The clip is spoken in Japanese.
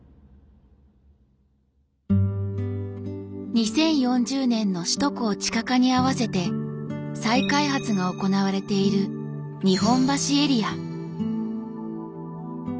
２０４０年の首都高地下化にあわせて再開発が行われている日本橋エリア。